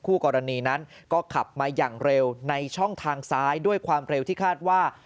คู่กรณีนั้นก็ขับมาอย่างเร็วในช่องทางซ้ายด้วยความเร็วที่คาดว่า